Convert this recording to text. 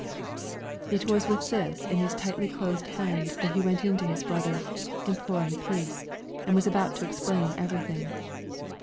It was with this in his tightly closed hand that he went in to his brother, imploring peace, and was about to explain everything.